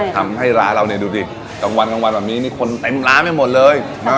ทำให้ร้านเราดูดิทั้งวันแบบนี้คนเต็มร้านไม่หมดเลย